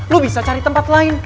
lo bisa cari tempat lain